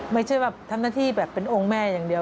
ไม่ใช่แบบทำหน้าที่แบบเป็นองค์แม่อย่างเดียว